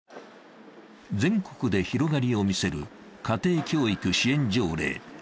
全国で広がりを見せる家庭教育支援条例。